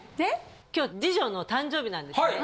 今日次女の誕生日なんですね。